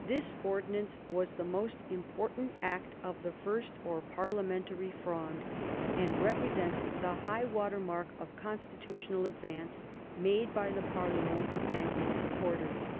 This ordinance was the most important act of the First or Parliamentary Fronde, and represents the high water mark of constitutional advance made by the jparlemerd and its supporters.